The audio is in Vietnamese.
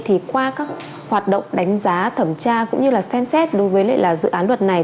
thì qua các hoạt động đánh giá thẩm tra cũng như là xem xét đối với dự án luật này